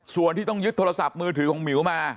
ส่วนที่ต้องยึดโทรศัพท์มือถือของหมิวมา